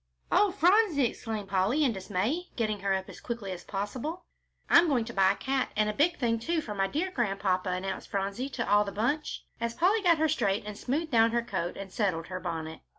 "Oh, Phronsie!" exclaimed Polly, in dismay, getting her up as quickly as possible. "I'm going to buy a cat and a big thing, too, for my dear Grandpapa," announced Phronsie to all the bunch, as Polly got her straight and smoothed down her coat and settled her bonnet.